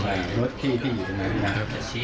ออกมารถที่ที่อยู่ตรงนั้น